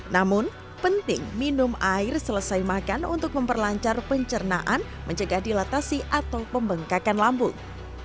namun penting minum air selesai makan untuk memperlancar pencernaan mencegah dilatasi atau pembengkakan lambung